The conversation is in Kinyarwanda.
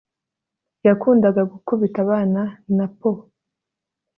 yakundaga gukubita abana na poo